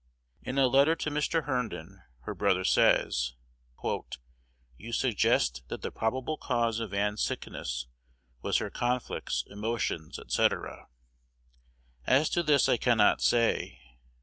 In a letter to Mr. Herndon, her brother says, "You suggest that the probable cause of Ann's sickness was her conflicts, emotions, &c. As to this I cannot say.